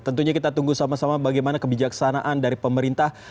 tentunya kita tunggu sama sama bagaimana kebijaksanaan dari pemerintah